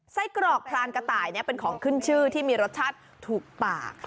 กรอกพรานกระต่ายเป็นของขึ้นชื่อที่มีรสชาติถูกปาก